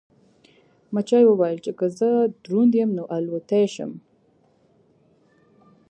مچۍ وویل چې که زه دروند یم نو الوتلی شم.